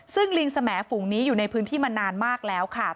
ซึ่งลิงสมฝูงนี้อยู่ในพื้นที่มานานมากแล้วค่ะ